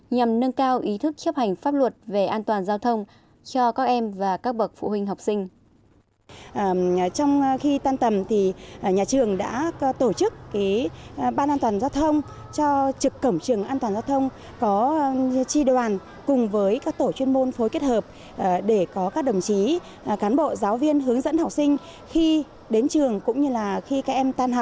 nhằm nâng cao ý thức chấp hành pháp luật về an toàn giao thông cho các em và các bậc phụ huynh học sinh